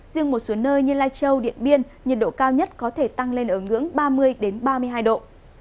riêng một số nơi như lai châu điện biên nhiệt độ cao nhất có thể tăng lên ở ngưỡng ba mươi ba mươi hai độ